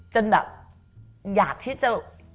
จนแบบอยากที่จะ